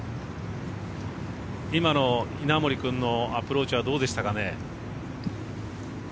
今の稲森君のアプローチはどうでしたかね。